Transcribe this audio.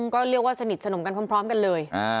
ก็เรียกว่าสนิทสนมกันพร้อมกันเลย